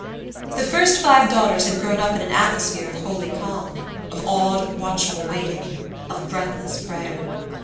The first five daughters had grown up in an atmosphere of holy calm, of awed watchful waiting, of breathless prayer.